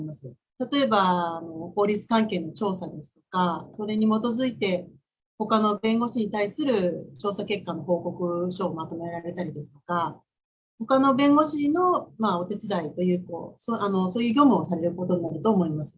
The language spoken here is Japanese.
例えば、法律関係の調査ですとか、それに基づいて、ほかの弁護士に対する調査結果の報告書をまとめられたりですとか、ほかの弁護士のお手伝いという、そういう業務をされることになると思います。